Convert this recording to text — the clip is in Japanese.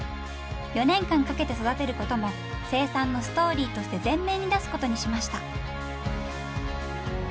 ４年間かけて育てることも生産のストーリーとして全面に出すことにしました。